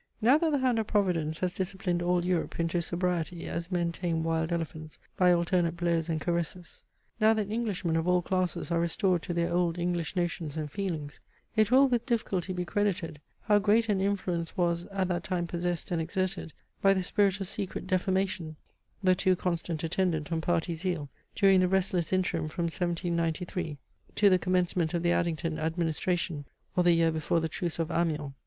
Now that the hand of Providence has disciplined all Europe into sobriety, as men tame wild elephants, by alternate blows and caresses; now that Englishmen of all classes are restored to their old English notions and feelings; it will with difficulty be credited, how great an influence was at that time possessed and exerted by the spirit of secret defamation, (the too constant attendant on party zeal) during the restless interim from 1793 to the commencement of the Addington administration, or the year before the truce of Amiens.